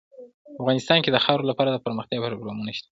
افغانستان کې د خاوره لپاره دپرمختیا پروګرامونه شته.